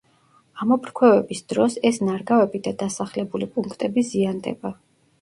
ამოფრქვევების დროს ეს ნარგავები და დასახლებული პუნქტები ზიანდება.